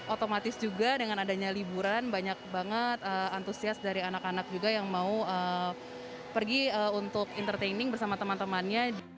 otomatis juga dengan adanya liburan banyak banget antusias dari anak anak juga yang mau pergi untuk entertaining bersama teman temannya